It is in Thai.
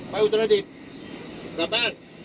ไปอุจจรดิตกลับบ้าน